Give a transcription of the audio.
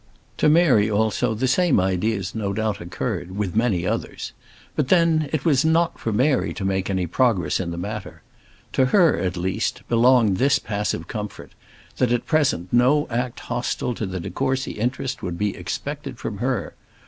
To Mary, also, the same ideas no doubt occurred with many others. But, then, it was not for Mary to make any progress in the matter. To her at least belonged this passive comfort, that at present no act hostile to the de Courcy interest would be expected from her.